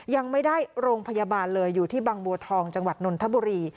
ยังไม่ได้โรงพยาบาลเลยอยู่ที่บางบัวทองจังหวัดนนทบุรี